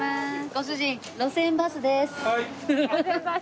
ご主人『路線バス』です。